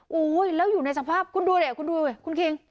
โอ้โหแล้วอยู่ในสภาพคุณดูเถอะคุณดูเข้าไปคุณคริง